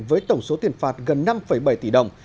với tổng số tiền phạt gần năm bảy tỷ đồng